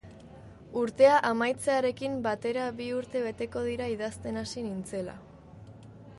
Urtea amaitzearekin batera bi urte beteko dira idazten hasi nintzela.